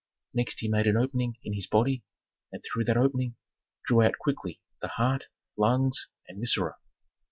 Next he made an opening in his body, and through that opening drew out quickly the heart, lungs, and viscera.